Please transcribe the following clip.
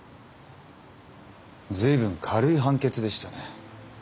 随分軽い判決でしたね。